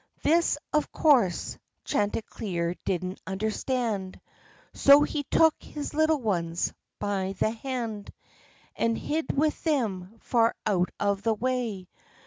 This, of course, Chanticleer didn't understand; So he took his little ones by the hand, And hid with them far out of the way.